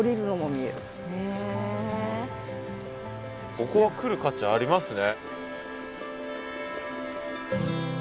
ここは来る価値ありますね。